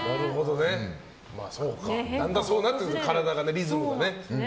だんだんそうなってくる体のリズムがね。